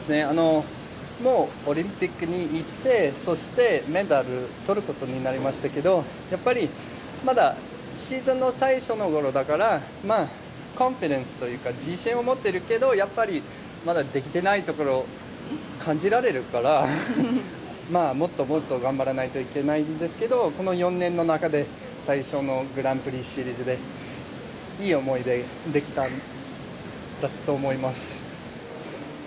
オリンピックに行ってそして、メダルを取ることになりましたけどやっぱりまだシーズンの最初の頃だから自信を持っているけどやっぱりまだできていないところが感じられるからもっともっと頑張らないといけないんですけどこの４年の中で最初のグランプリシリーズでいい思い出ができたと思います。